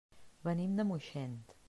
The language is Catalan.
Venim de Moixent.